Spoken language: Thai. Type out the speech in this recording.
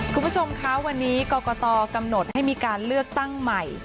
คุณผู้ชมคะวันนี้กรกตกำหนดให้มีการเลือกตั้งใหม่